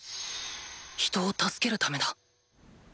人を助けるためだ。